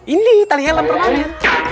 ini tali elang berpunir